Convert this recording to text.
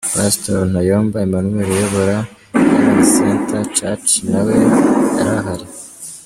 Pastor Ntayomba Emmanuel uyobora Healing Centre Church nawe yari ahari.